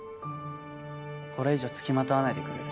これ以上付きまとわないでくれる？